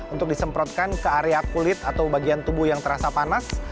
untuk disemprotkan ke area kulit atau bagian tubuh yang terasa panas